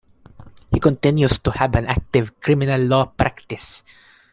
He continues to have an active criminal law practice.